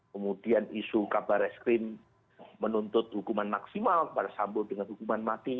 kemudian isu kabar eskrim menuntut hukuman maksimal kepada sambo dengan hukuman mati